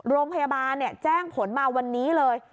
โรงพยาบาลแจ้งผลมาวันนี้เลย